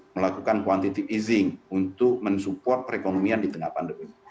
melakukan quantitive easing untuk mensupport perekonomian di tengah pandemi